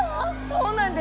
そうなんです！